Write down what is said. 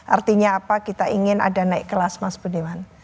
artinya apa kita ingin ada naik kelas mas budiman